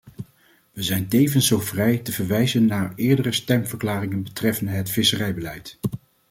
We zijn tevens zo vrij te verwijzen naar eerdere stemverklaringen betreffende het visserijbeleid.